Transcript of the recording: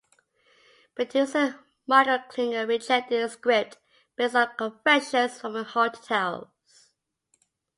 Producer Michael Klinger rejected a script based on "Confessions from a Haunted House".